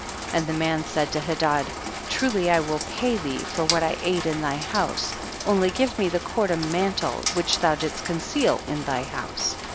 37. And the man said to Hedad, truly I will pay thee for what I ate in thy house, only give me the cord and mantle which thou didst conceal in thy house.